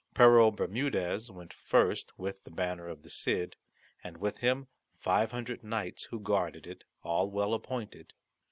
Pero Bermudez went first with the banner of the Cid, and with him five hundred knights who guarded it, all well appointed.